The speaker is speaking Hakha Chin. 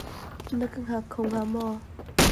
Na ka hngak kho hnga maw?